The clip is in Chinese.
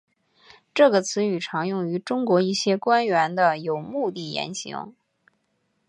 这个词语常用于中国一些官员的有目的言行。